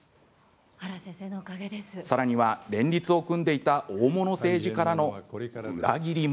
さらには、連立を組んでいた大物政治家からの裏切りも。